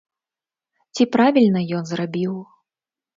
Ці правільна ён зрабіў?